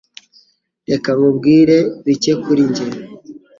Reka nkubwire bike kuri njye.